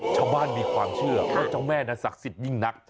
ชาวบ้านมีความเชื่อว่าเจ้าแม่นั้นศักดิ์สิทธิยิ่งนัก